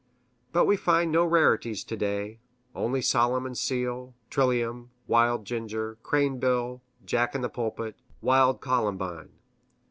But we find no rarities to day only solomon's seal, trillium, wild ginger, cranebill, jack in the pulpit, wild columbine.